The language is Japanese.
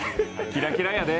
キラキラやで。